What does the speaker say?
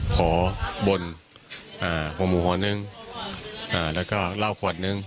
ขอบนหมวงหม่อนึงแล้วก็เหล้าควดนึง